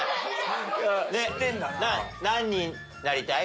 何になりたい？